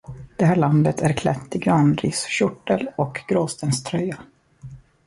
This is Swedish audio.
Det här landet är klätt i granriskjortel och gråstenströja.